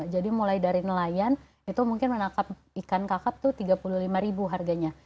jadi mulai dari nelayan itu mungkin menangkap ikan kakap itu tiga puluh lima ribu harganya